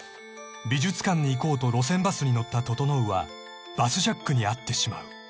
［美術館に行こうと路線バスに乗った整はバスジャックに遭ってしまう］